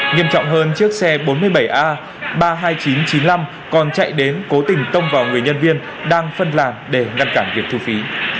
nghiêm trọng hơn chiếc xe bốn mươi bảy a ba mươi hai nghìn chín trăm chín mươi năm còn chạy đến cố tình tông vào người nhân viên đang phân làn để ngăn cản việc thu phí